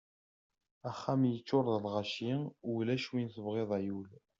Axxam yeččuṛ d lɣaci ulac win tebɣiḍ ay ul!